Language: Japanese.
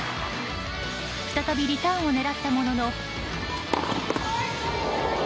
再びリターンを狙ったものの。